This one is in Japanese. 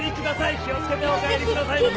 気を付けてお帰りくださいませ。